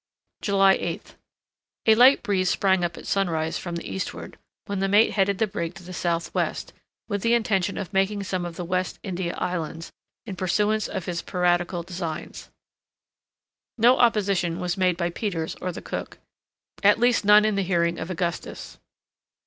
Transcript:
July 8th. A light breeze sprang up at sunrise from the eastward, when the mate headed the brig to the southwest, with the intention of making some of the West India islands in pursuance of his piratical designs. No opposition was made by Peters or the cook—at least none in the hearing of Augustus.